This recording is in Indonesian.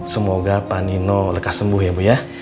semoga panino lekas sembuh ya bu ya